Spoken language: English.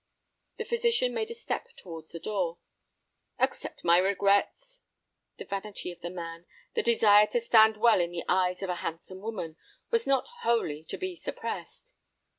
The physician made a step towards the door. "Accept my regrets"—the vanity of the man, the desire to stand well in the eyes of a handsome woman, was not wholly to be suppressed.